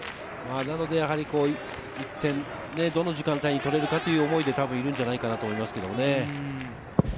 なので１点をどの時間帯に取れるかという思いでいるんじゃないかなと思います。